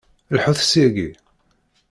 Lḥut syagi!